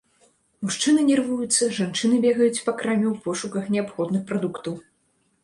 Мужчыны нервуюцца, жанчыны бегаюць па краме ў пошуках неабходных прадуктаў.